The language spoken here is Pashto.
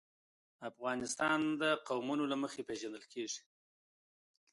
افغانستان د قومونه له مخې پېژندل کېږي.